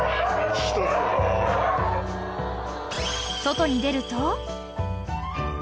［外に出ると］